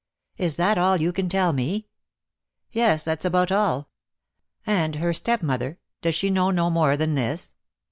"Is that all you can tell me?" "Yes, that's about all." "And her stepmother, does she know no more than this?"